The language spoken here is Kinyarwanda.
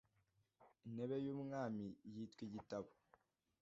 intebe y’Umwami yitwa igitabo